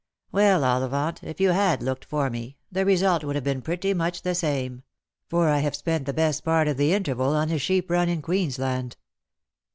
Well, Ollivant, if "you had looked for me, the result would have been pretty much the same ; for I have spent the best part of the interval on a sheep run in Queens land."